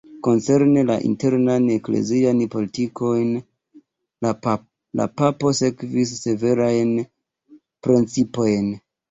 Koncerne la internan eklezian politikon la papo sekvis severajn principojn.